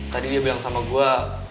tadi dia bilang sama gue